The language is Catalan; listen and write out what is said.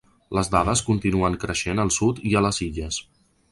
Les dades continuen creixent al sud i a les Illes.